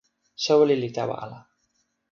soweli li tawa ala.